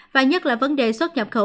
và nhất là vấn đề xuất nhập khẩu